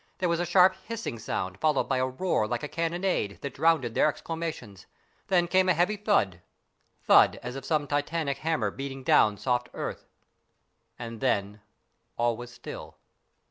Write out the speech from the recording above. There was a sharp hissing sound, followed by a roar like a cannonade, that drowned their exclamations. Then came a heavy thud thud, as of some titanic hammer beating down soft earth. And then all was still.